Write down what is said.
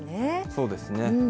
そうですね。